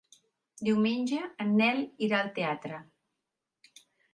Diumenge en Nel irà al teatre.